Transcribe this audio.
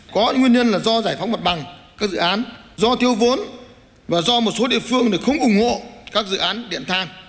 có nguyên nhân là do giải phóng mặt bằng các dự án do tiêu vốn và do một số địa phương không ủng hộ các dự án điện thang